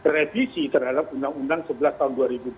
revisi terhadap undang undang sebelas tahun dua ribu dua puluh